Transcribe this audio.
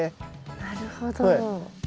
なるほど。